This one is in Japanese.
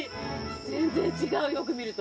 全然違うよく見ると。